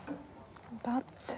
だって。